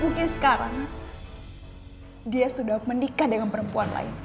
mungkin sekarang dia sudah menikah dengan perempuan lain